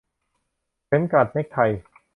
เข็มกลัดเน็คไท